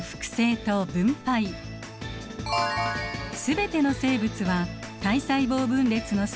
全ての生物は体細胞分裂の際